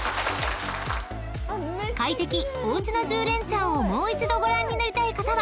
［『快適！おウチの住連ちゃん』をもう一度ご覧になりたい方は］